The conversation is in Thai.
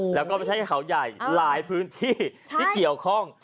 แล้วก็ไม่ใช่เขาใหญ่หลายพื้นที่ที่เกี่ยวข้อง